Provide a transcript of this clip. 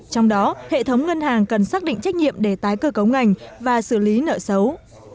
trong đó hệ thống ngân hàng cần xác định trách nhiệm để tái cơ cấu ngành và xử lý nợ xấu